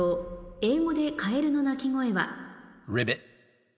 「英語でカエルの鳴き声はレベット」